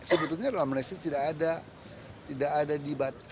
sebetulnya dalam amnesti tidak ada dibatasi yang jelas tentang hal itu